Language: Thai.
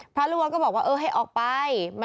พระลูกวัดก็บอกว่าเออให้ออกไป